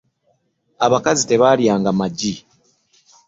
abakazi tebalya nga maggi